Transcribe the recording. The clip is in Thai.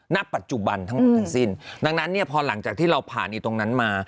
ณปัจจุบันทั้งหมดทั้งสิ้นดังนั้นเนี่ยพอหลังจากที่เราผ่านอยู่ตรงนั้นมา